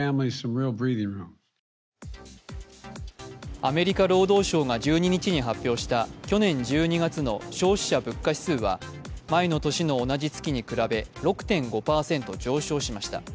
アメリカ労働省が１２日に発表した去年１２月の消費者物価指数は前の年の同じ月に比べ６．５％上昇しました。